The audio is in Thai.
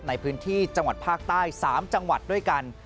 ในพื้นที่จังหวัดภาคใต้๓จังหวัดด้วยกัน